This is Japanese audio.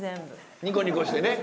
ニコニコしてね。